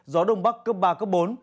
gió đông bắc cấp ba cấp bốn